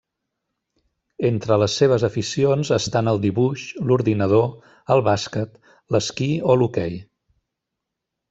Entre les seves aficions estan el dibuix, l'ordinador, el basquet, l'esquí o l'hoquei.